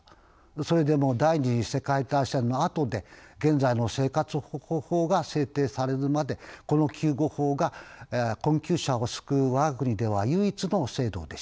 それでも第２次世界大戦のあとで現在の生活保護法が制定されるまでこの救護法が困窮者を救う我が国では唯一の制度でした。